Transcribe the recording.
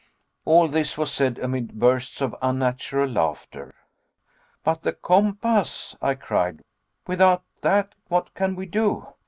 All this was said amid bursts of unnatural laughter. "But the compass," I cried, "without that what can we do?"